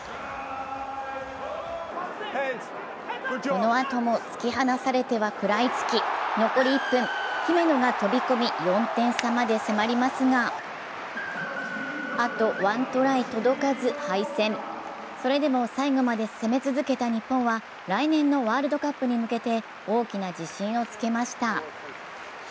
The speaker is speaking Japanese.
このあとも突き放されては食らいつき、残り１分、姫野が飛び込み４点差まで迫りますが、あと１トライ届かず敗戦、それでも最後まで攻め続けた日本は来年のワールドカップに向けて大きな自信をつけました。